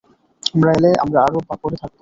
আমি এলে আমরা আরো পাপরে থাকব।